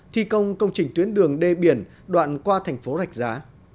thi công công trình tuyến đường đê biển đoạn qua thành phố rạch giá